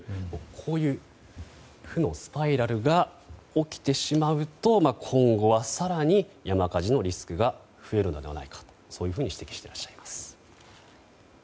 こういう負のスパイラルが起きてしまうと今後、更に山火事のリスクが増えるのではないかとそういうふうに指摘していらっしゃいます。